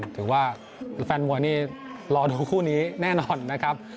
ถือว่าแฟนมวยนี่รอดูคู่นี้แน่นอนนะครับ